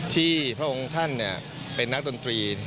พระองค์ท่านเป็นนักดนตรี